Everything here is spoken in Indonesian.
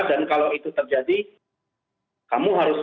dan kalau itu terjadi kamu harus ngapain